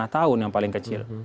lima tahun yang paling kecil